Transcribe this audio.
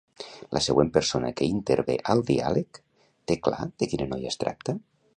La següent persona que intervé al diàleg, té clar de quina noia es tracta?